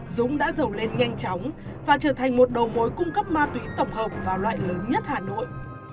dũng đã giàu lên nhanh chóng và trở thành một đầu mối cung cấp ma túy tổng hợp vào loại lớn nhất hà nội